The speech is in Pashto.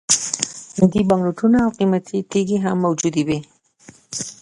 هندي بانک نوټونه او قیمتي ډبرې هم موجودې وې.